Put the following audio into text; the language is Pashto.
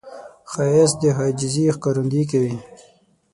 ښایست د عاجزي ښکارندویي کوي